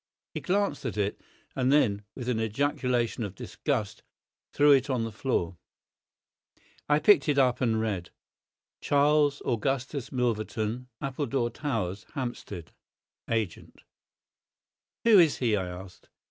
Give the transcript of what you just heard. He glanced at it, and then, with an ejaculation of disgust, threw it on the floor. I picked it up and read:— CHARLES AUGUSTUS MILVERTON, APPLEDORE TOWERS, AGENT. HAMPSTEAD. "Who is he?" I asked.